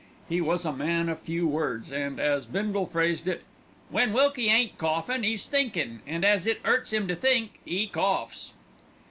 He was a man of few words, and, as Bindle phrased it, "When Wilkie ain't coughin', 'e's thinkin'; an' as it 'urts 'im to think, 'e coughs."